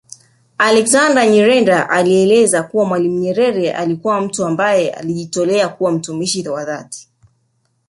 Alexander Nyirenda alieleza kuwa Mwalimu Nyerere alikuwa mtu ambaye alijitolea kuwa mtumishi wa dhati